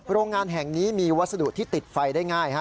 โรงงานแห่งนี้มีวัสดุที่ติดไฟได้ง่าย